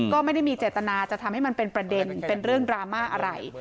ก็ไม่ได้มีเจตนาจะทำให้มันเป็นประเด็นเป็นเรื่องดราม่าอะไร